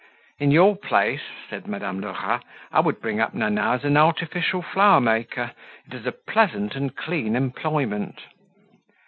"In your place," said Madame Lerat, "I would bring Nana up as an artificial flower maker. It is a pleasant and clean employment."